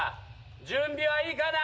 準備はいいかな？